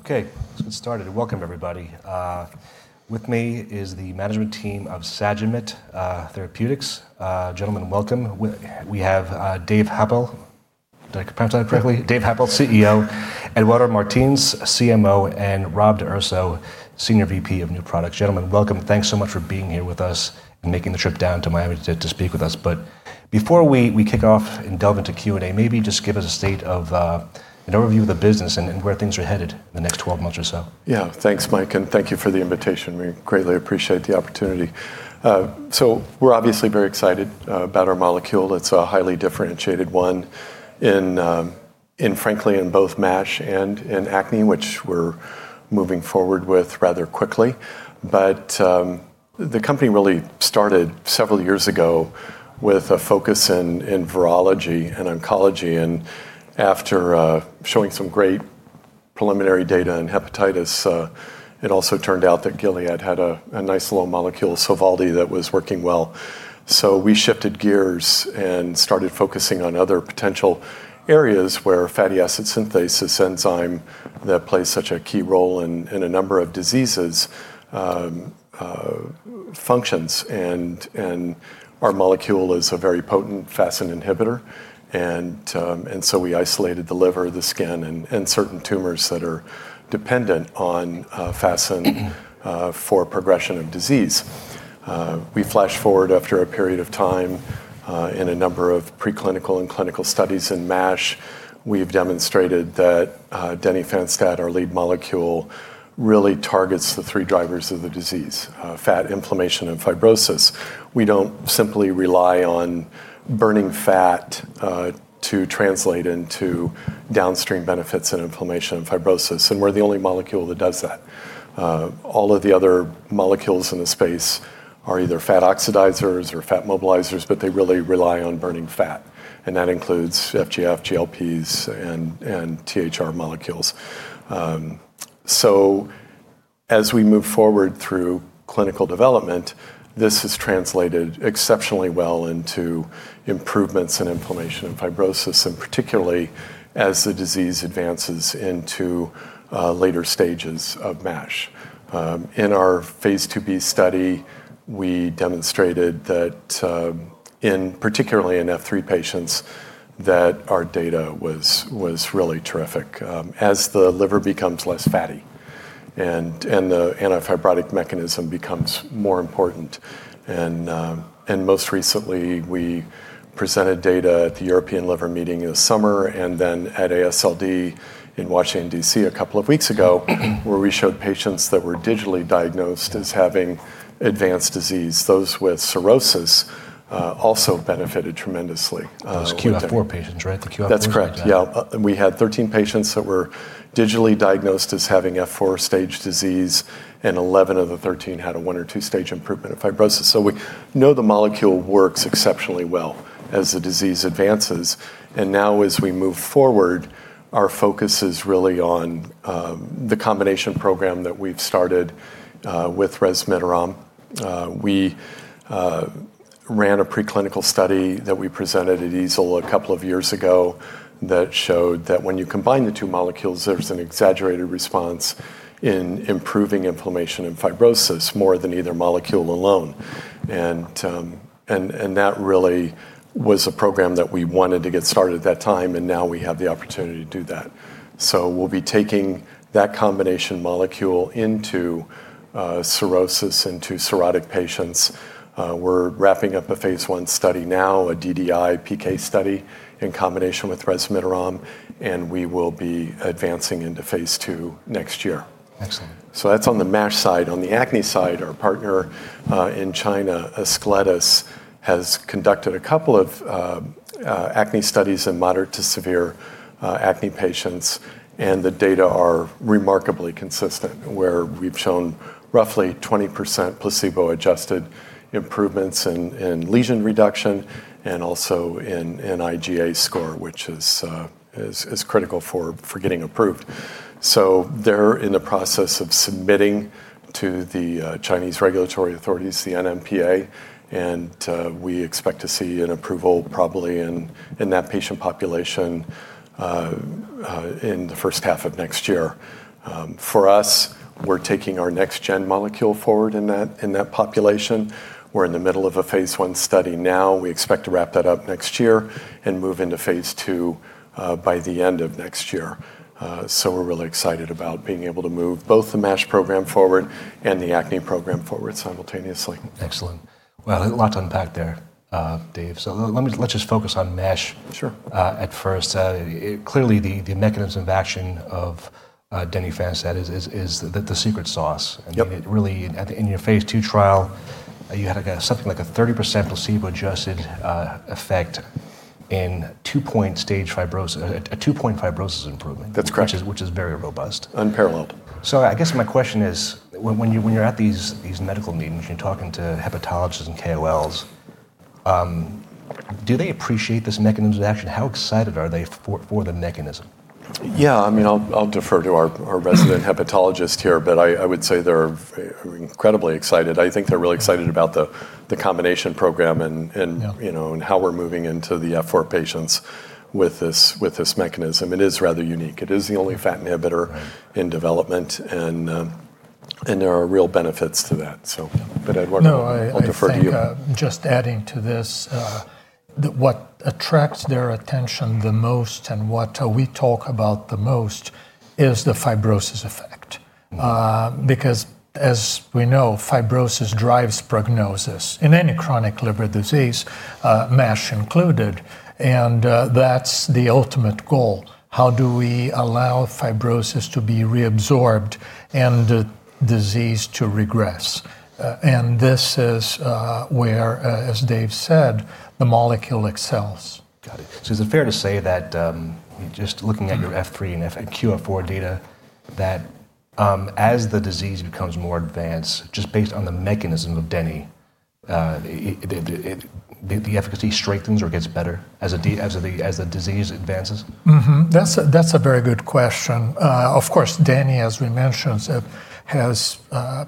Okay, let's get started. Welcome, everybody. With me is the management team of Sagimet Biosciences. Gentlemen, welcome. We have Dave Happel, did I pronounce that correctly? Dave Happel, CEO; Eduardo Martins, CMO; and Rob D'Urso, Senior VP of New Products. Gentlemen, welcome. Thanks so much for being here with us and making the trip down to Miami to speak with us. But before we kick off and delve into Q&A, maybe just give us a state of an overview of the business and where things are headed in the next 12 months or so. Yeah, thanks, Mike, and thank you for the invitation. We greatly appreciate the opportunity. So we're obviously very excited about our molecule. It's a highly differentiated one in, frankly, in both MASH and in acne, which we're moving forward with rather quickly. But the company really started several years ago with a focus in virology and oncology. And after showing some great preliminary data in hepatitis, it also turned out that Gilead had a nice little molecule, Sovaldi, that was working well. So we shifted gears and started focusing on other potential areas where fatty acid synthesis enzyme that plays such a key role in a number of diseases functions. And our molecule is a very potent FASN inhibitor. And so we isolated the liver, the skin, and certain tumors that are dependent on FASN for progression of disease. We flashed forward after a period of time in a number of preclinical and clinical studies in MASH. We've demonstrated that Denifenstat, our lead molecule, really targets the three drivers of the disease: fat, inflammation, and fibrosis. We don't simply rely on burning fat to translate into downstream benefits and inflammation and fibrosis. And we're the only molecule that does that. All of the other molecules in the space are either fat oxidizers or fat mobilizers, but they really rely on burning fat. And that includes FGF, GLPs, and THR molecules. So as we move forward through clinical development, this has translated exceptionally well into improvements in inflammation and fibrosis, and particularly as the disease advances into later stages of MASH. In our Phase IIB study, we demonstrated that, particularly in F3 patients, that our data was really terrific as the liver becomes less fatty and the antifibrotic mechanism becomes more important, and most recently, we presented data at the European Liver Meeting this summer and then at AASLD in Washington, DC, a couple of weeks ago, where we showed patients that were digitally diagnosed as having advanced disease. Those with cirrhosis also benefited tremendously. Those qF4 patients, right? The qF4. That's correct. Yeah. We had 13 patients that were digitally diagnosed as having F4 stage disease, and 11 of the 13 had a one or two stage improvement of fibrosis. So we know the molecule works exceptionally well as the disease advances. And now, as we move forward, our focus is really on the combination program that we've started with resmiteram. We ran a preclinical study that we presented at EASL a couple of years ago that showed that when you combine the two molecules, there's an exaggerated response in improving inflammation and fibrosis more than either molecule alone. And that really was a program that we wanted to get started at that time, and now we have the opportunity to do that. So we'll be taking that combination molecule into cirrhosis, into cirrhotic patients. We're wrapping up a phase I study now, a DDI PK study in combination with resmetirom, and we will be advancing into phase II next year. Excellent. That's on the MASH side. On the acne side, our partner in China, Ascletis, has conducted a couple of acne studies in moderate to severe acne patients. And the data are remarkably consistent, where we've shown roughly 20% placebo-adjusted improvements in lesion reduction and also in IGA score, which is critical for getting approved. So they're in the process of submitting to the Chinese regulatory authorities, the NMPA, and we expect to see an approval probably in that patient population in the first half of next year. For us, we're taking our next-gen molecule forward in that population. We're in the middle of a phase I study now. We expect to wrap that up next year and move into phase II by the end of next year. So we're really excited about being able to move both the MASH program forward and the acne program forward simultaneously. Excellent. Well, a lot to unpack there, Dave. So let's just focus on MASH at first. Clearly, the mechanism of action of Denifenstat is the secret sauce. And really, in your phase II trial, you had something like a 30% placebo-adjusted effect in two-point fibrosis, a two-point fibrosis improvement, which is very robust. That's correct. Unparalleled. So I guess my question is, when you're at these medical meetings, when you're talking to hepatologists and KOLs, do they appreciate this mechanism of action? How excited are they for the mechanism? Yeah, I mean, I'll defer to our resident hepatologist here, but I would say they're incredibly excited. I think they're really excited about the combination program and how we're moving into the F4 patients with this mechanism. It is rather unique. It is the only FASN inhibitor in development, and there are real benefits to that. But I'll defer to you. No, I think just adding to this, what attracts their attention the most and what we talk about the most is the fibrosis effect. Because, as we know, fibrosis drives prognosis in any chronic liver disease, MASH included. And that's the ultimate goal. How do we allow fibrosis to be reabsorbed and the disease to regress? And this is where, as Dave said, the molecule excels. Got it. So is it fair to say that, just looking at your F3 and qF4 data, that as the disease becomes more advanced, just based on the mechanism of Deni, the efficacy strengthens or gets better as the disease advances? That's a very good question. Of course, Deni, as we mentioned, has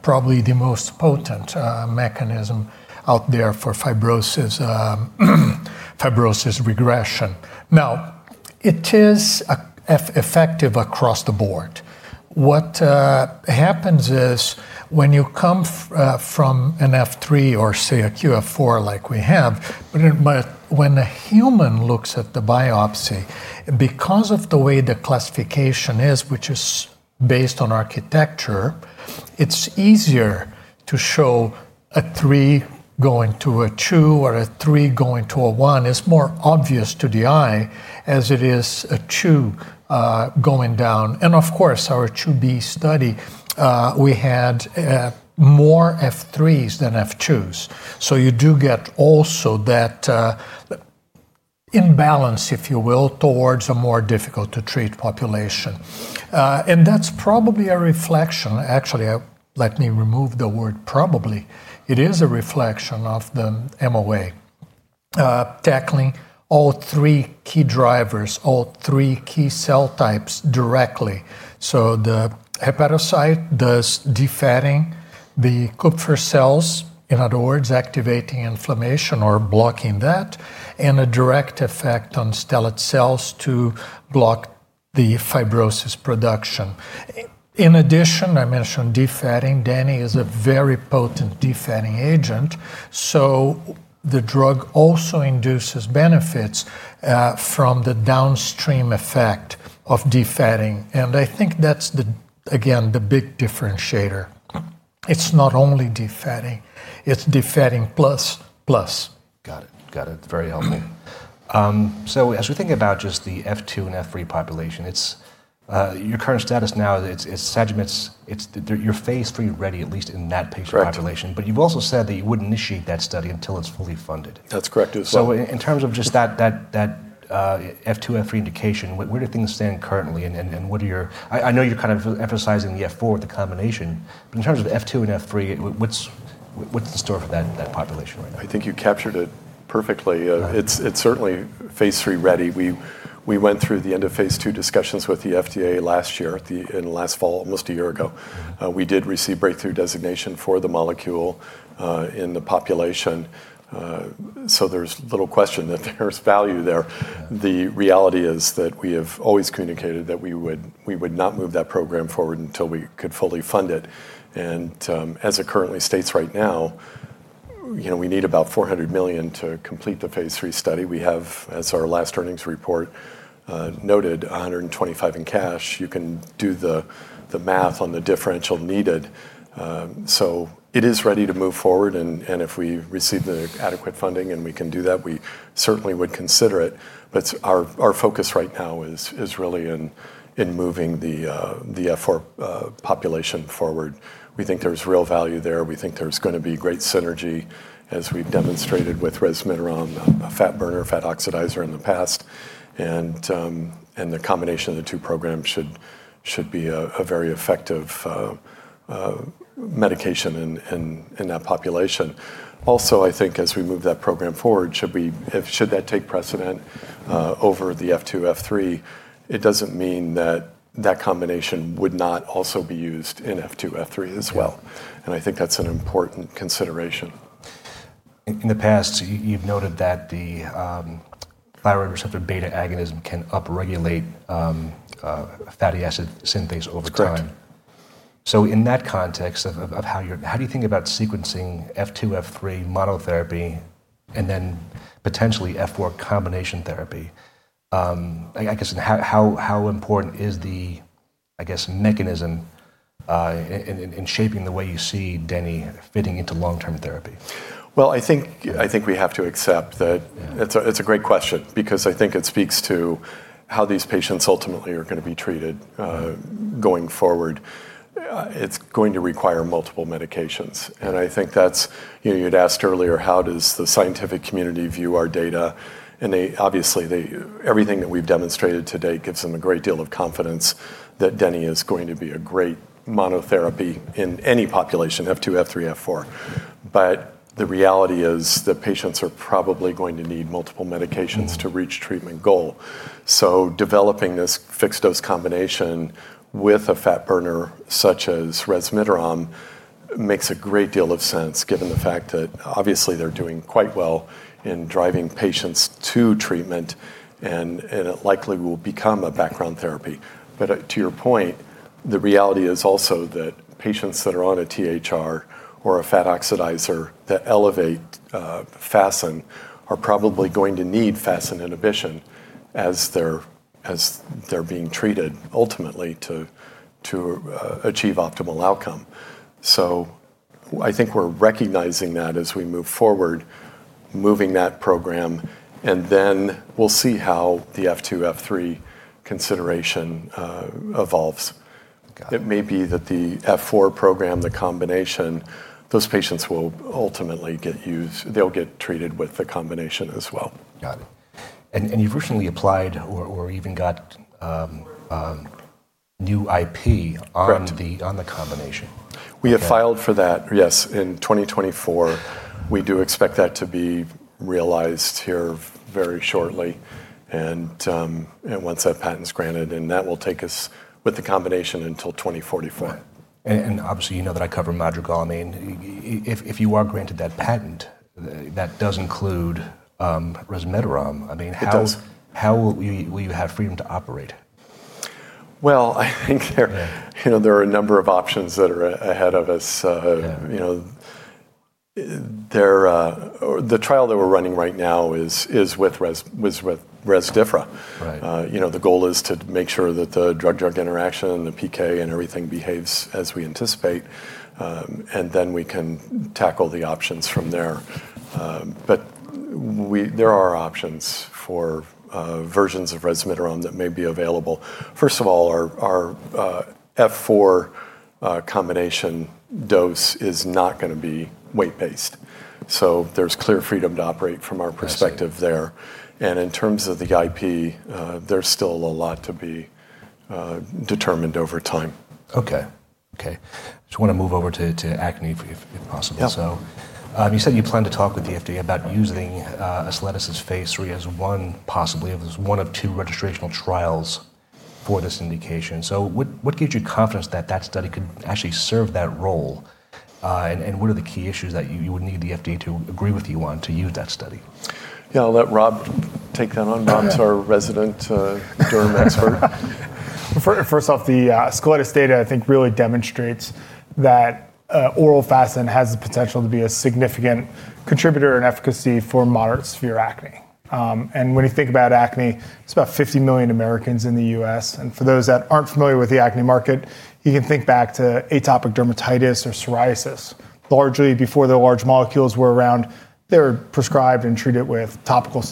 probably the most potent mechanism out there for fibrosis regression. Now, it is effective across the board. What happens is, when you come from an F3 or, say, an F4 like we have, when a human looks at the biopsy, because of the way the classification is, which is based on architecture, it's easier to show a three going to a two or a three going to a one. It's more obvious to the eye as it is a two going down. And of course, our Phase 2b study, we had more F3s than F2s. So you do get also that imbalance, if you will, towards a more difficult-to-treat population. And that's probably a reflection. Actually, let me remove the word probably. It is a reflection of the MOA tackling all three key drivers, all three key cell types directly, so the hepatocyte does defatting the Kupffer cells, in other words, activating inflammation or blocking that, and a direct effect on stellate cells to block the fibrosis production. In addition, I mentioned defatting. Deni is a very potent defatting agent, so the drug also induces benefits from the downstream effect of defatting, and I think that's, again, the big differentiator. It's not only defatting. It's defatting plus, plus. Got it. Got it. Very helpful. So as we think about just the F2 and F3 population, your current status now is Sagimet's, you're phase III ready, at least in that patient population. But you've also said that you wouldn't initiate that study until it's fully funded. That's correct. So in terms of just that F2, F3 indication, where do things stand currently? And I know you're kind of emphasizing the F4 with the combination, but in terms of F2 and F3, what's the story for that population right now? I think you captured it perfectly. It's certainly phase III ready. We went through the end of phase II discussions with the FDA last year in the last fall, almost a year ago. We did receive breakthrough designation for the molecule in the population. So there's little question that there's value there. The reality is that we have always communicated that we would not move that program forward until we could fully fund it. As it currently states right now, we need about $400 million to complete the phase III study. We have, as our last earnings report noted, $125 million in cash. You can do the math on the differential needed. It is ready to move forward. If we receive the adequate funding and we can do that, we certainly would consider it. Our focus right now is really in moving the F4 population forward. We think there's real value there. We think there's going to be great synergy, as we've demonstrated with Resmiteram, a fat burner, fat oxidizer in the past. And the combination of the two programs should be a very effective medication in that population. Also, I think as we move that program forward, should that take precedence over the F2, F3, it doesn't mean that that combination would not also be used in F2, F3 as well. And I think that's an important consideration. In the past, you've noted that the thyroid hormone receptor beta agonism can upregulate fatty acid synthase over time. Correct. So in that context of how do you think about sequencing F2, F3 monotherapy and then potentially F4 combination therapy? I guess, how important is the, I guess, mechanism in shaping the way you see Deni fitting into long-term therapy? I think we have to accept that it's a great question because I think it speaks to how these patients ultimately are going to be treated going forward. It's going to require multiple medications. And I think that's you had asked earlier, how does the scientific community view our data? And obviously, everything that we've demonstrated to date gives them a great deal of confidence that Deni is going to be a great monotherapy in any population, F2, F3, F4. But the reality is that patients are probably going to need multiple medications to reach treatment goal. So developing this fixed-dose combination with a fat burner such as resmetirom makes a great deal of sense given the fact that, obviously, they're doing quite well in driving patients to treatment, and it likely will become a background therapy. But to your point, the reality is also that patients that are on a THR or a fat oxidizer that elevate FASN are probably going to need FASN inhibition as they're being treated ultimately to achieve optimal outcome. So I think we're recognizing that as we move forward, moving that program, and then we'll see how the F2, F3 consideration evolves. It may be that the F4 program, the combination, those patients will ultimately get used. They'll get treated with the combination as well. Got it. And you've recently applied or even got new IP on the combination. We have filed for that, yes, in 2024. We do expect that to be realized here very shortly, and once that patent's granted, that will take us with the combination until 2044. Obviously, you know that I cover Madrigal. I mean, if you are granted that patent, that does include resmetirom. I mean, how will you have freedom to operate? I think there are a number of options that are ahead of us. The trial that we're running right now is with Resdifra. The goal is to make sure that the drug-drug interaction, the PK, and everything behaves as we anticipate. And then we can tackle the options from there. But there are options for versions of Resmiteram that may be available. First of all, our F4 combination dose is not going to be weight-based. So there's clear freedom to operate from our perspective there. And in terms of the IP, there's still a lot to be determined over time. Okay. Okay. I just want to move over to acne if possible. So you said you plan to talk with the FDA about using Ascletis' phase III as one possibly, as one of two registrational trials for this indication. So what gives you confidence that that study could actually serve that role? And what are the key issues that you would need the FDA to agree with you on to use that study? I'll let Rob take that on. Rob's our resident derm expert. First off, the Ascletis data, I think, really demonstrates that oral FASN has the potential to be a significant contributor in efficacy for moderate to severe acne. And when you think about acne, it's about 50 million Americans in the US. And for those that aren't familiar with the acne market, you can think back to atopic dermatitis or psoriasis. Largely, before the large molecules were around, they were prescribed and treated with topical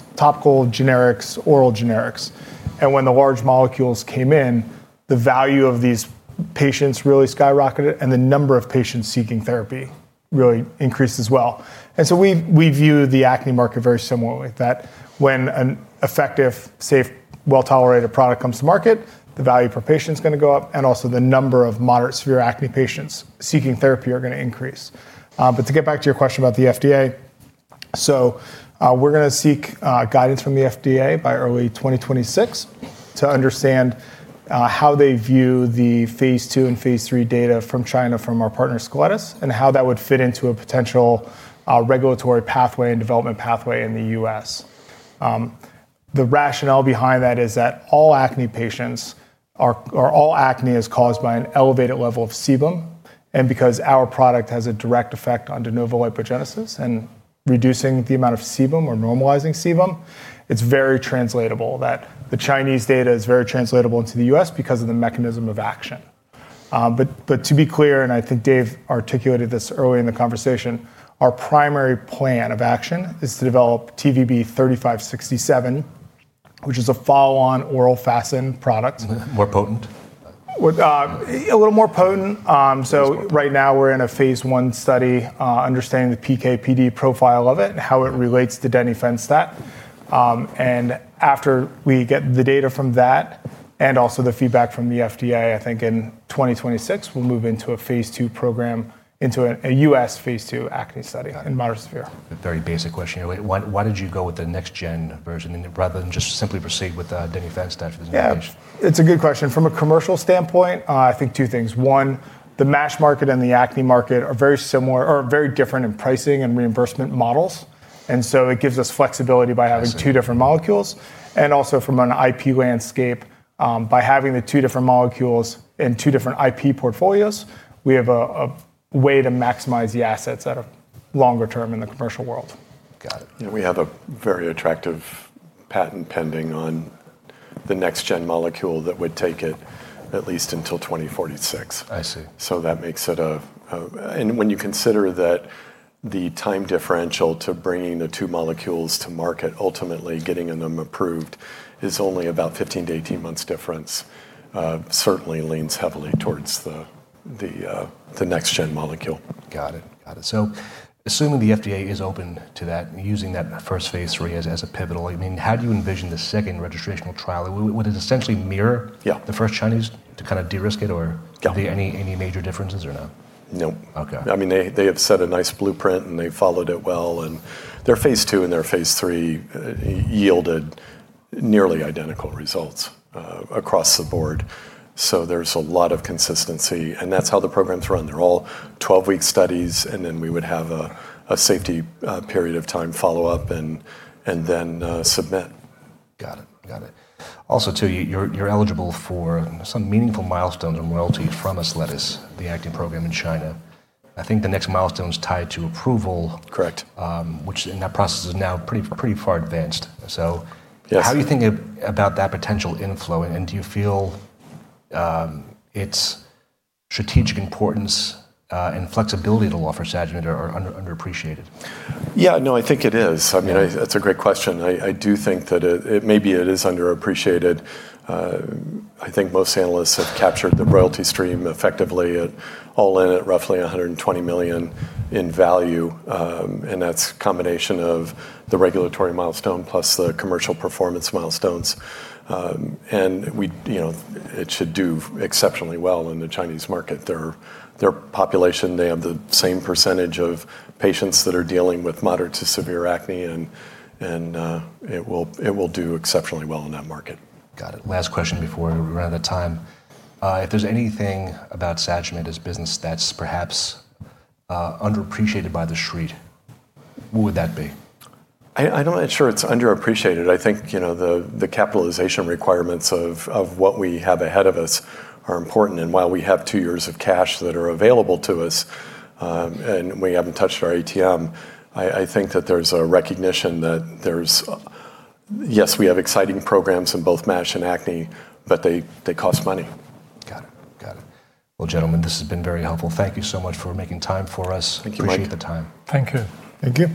generics, oral generics. And when the large molecules came in, the value of these patients really skyrocketed, and the number of patients seeking therapy really increased as well. And so we view the acne market very similarly, that when an effective, safe, well-tolerated product comes to market, the value per patient is going to go up, and also the number of moderate to severe acne patients seeking therapy are going to increase. But to get back to your question about the FDA, so we're going to seek guidance from the FDA by early 2026 to understand how they view the phase II and phase III data from China, from our partner Ascletis, and how that would fit into a potential regulatory pathway and development pathway in the U.S. The rationale behind that is that all acne patients, all acne, is caused by an elevated level of sebum. Because our product has a direct effect on de novo lipogenesis and reducing the amount of sebum or normalizing sebum, it's very translatable that the Chinese data is very translatable into the U.S. because of the mechanism of action. To be clear, and I think Dave articulated this early in the conversation, our primary plan of action is to develop TVB-3567, which is a follow-on oral FASN product. More potent? A little more potent. So right now, we're in a phase I study understanding the PK/PD profile of it and how it relates to denifanstat. And after we get the data from that and also the feedback from the FDA, I think in 2026, we'll move into a phase II program, into a U.S. phase II acne study in moderate to severe. Very basic question here. Why did you go with the next-gen version rather than just simply proceed with denifanstat for this? Yeah, it's a good question. From a commercial standpoint, I think two things. One, the MASH market and the acne market are very similar or very different in pricing and reimbursement models. And so it gives us flexibility by having two different molecules. And also, from an IP landscape, by having the two different molecules in two different IP portfolios, we have a way to maximize the assets at a longer term in the commercial world. Got it. We have a very attractive patent pending on the next-gen molecule that would take it at least until 2046. I see. So that makes it, and when you consider that the time differential to bringing the two molecules to market, ultimately getting them approved, is only about 15-18 months difference, certainly leans heavily towards the next-gen molecule. Got it. Got it. So assuming the FDA is open to that and using that first phase III as a pivotal, I mean, how do you envision the second registrational trial? Would it essentially mirror the first Chinese to kind of de-risk it or any major differences or no? Nope. I mean, they have set a nice blueprint, and they followed it well. And their phase II and their phase III yielded nearly identical results across the board. So there's a lot of consistency. And that's how the programs run. They're all 12-week studies, and then we would have a safety period of time, follow up, and then submit. Got it. Got it. Also, too, you're eligible for some meaningful milestones and royalties from Ascletis, the acne program in China. I think the next milestone is tied to approval. Correct. Which in that process is now pretty far advanced. So how do you think about that potential inflow? And do you feel its strategic importance and flexibility to offer Sagimet are underappreciated? Yeah, no, I think it is. I mean, that's a great question. I do think that it maybe it is underappreciated. I think most analysts have captured the royalty stream effectively. All in at roughly $120 million in value. And that's a combination of the regulatory milestone plus the commercial performance milestones. And it should do exceptionally well in the Chinese market. Their population, they have the same percentage of patients that are dealing with moderate to severe acne, and it will do exceptionally well in that market. Got it. Last question before we run out of time. If there's anything about Sagimet as a business that's perhaps underappreciated by the street, what would that be? I'm not sure it's underappreciated. I think the capitalization requirements of what we have ahead of us are important, and while we have two years of cash that are available to us, and we haven't touched our ATM, I think that there's a recognition that there's, yes, we have exciting programs in both MASH and acne, but they cost money. Got it. Got it. Well, gentlemen, this has been very helpful. Thank you so much for making time for us. Thank you. Appreciate the time. Thank you. Thank you.